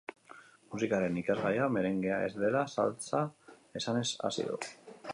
Musikaren ikasgaia, merengea ez dela salsa esanez hasi du.